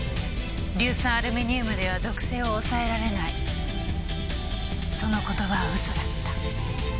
硫酸アルミニウムでは毒性を抑えられないその言葉は嘘だった。